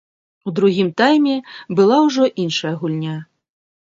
У другім тайме была ўжо іншая гульня.